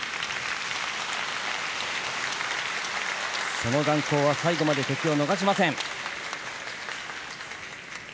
その眼光は最後まで敵を逃しません。